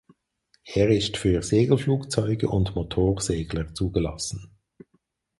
Er ist für Segelflugzeuge und Motorsegler zugelassen.